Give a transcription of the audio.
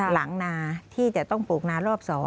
หลังหน้าที่จะต้องปลูกหน้ารอบ๒